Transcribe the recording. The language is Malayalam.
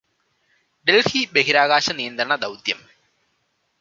ഡൽഹി ബഹിരാകാശ നിയന്ത്രണ ദൗത്യം